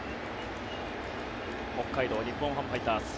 北海道日本ハムファイターズ。